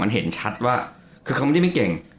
เห็นชัดว่าคือเขาไม่ได้ไม่เก่ง